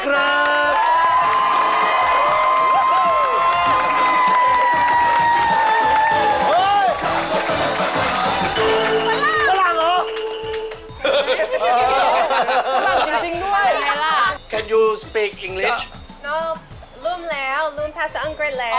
ฝรั่งจริงด้วยอะไรล่ะฝรั่งอะไรล่ะ